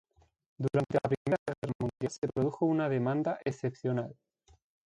Durante la I Guerra Mundial se produjo una demanda excepcional.